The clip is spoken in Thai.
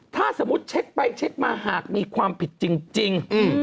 ถ้าสมมุติเช็คไปเช็คมาหากมีความผิดจริง